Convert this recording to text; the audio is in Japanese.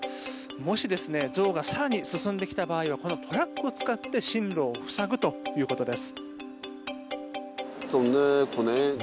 もしゾウが更に進んできた場合はこのトラックを使って進路を塞ぐということです。